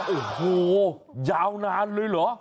โอ้โหยาวนานเลยเหรอ